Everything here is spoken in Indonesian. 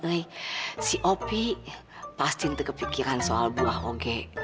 eh si opi pasti ntar kepikiran soal buah oke